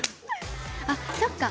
あそっか。